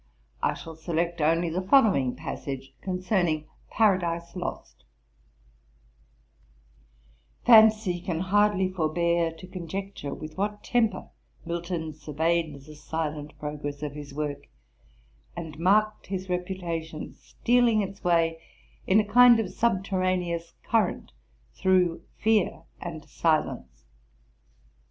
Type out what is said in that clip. I shall select only the following passage concerning Paradise Lost: 'Fancy can hardly forbear to conjecture with what temper Milton surveyed the silent progress of his work, and marked his reputation stealing its way in a kind of subterraneous current, through fear and silence.